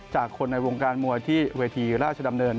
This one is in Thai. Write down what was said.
จากคนในวงการมวยที่เวทีราชดำเนิน